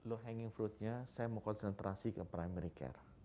low hanging fruit nya saya mau konsentrasi ke primary care